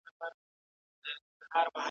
د زړه آواز دی څوک به یې واوري؟